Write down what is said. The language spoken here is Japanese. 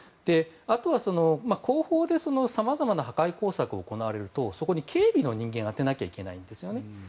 あとは後方で様々な破壊工作が行われるとそこに警備の人間を充てなきゃいけないんですよね。